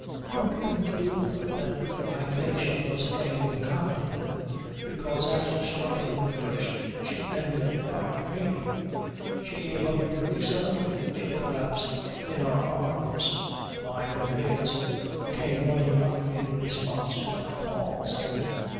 Don't conclude, though, that I think she was playing a comedy then, because after struggling at first she ended by remaining. She gave up very suddenly. She collapsed in our arms, mine and the maid's who came running up in response to my calls, and